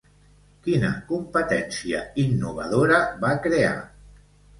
Quina competència innovadora va crear?